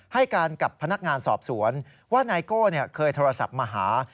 ให้การกับพนักงานสอบสวนว่านายโก้เคยโทรศัพท์มาหา